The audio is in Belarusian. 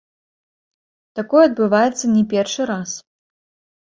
Такое адбываецца не першы раз.